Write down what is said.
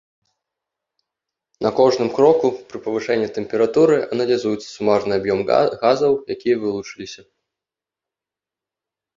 На кожным кроку пры павышэнні тэмпературы аналізуецца сумарны аб'ём газаў, якія вылучыліся.